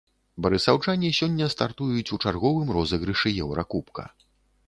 Барысаўчане сёння стартуюць у чарговым розыгрышы еўракубка.